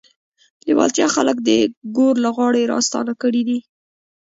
لېوالتیا خلک د ګور له غاړې راستانه کړي دي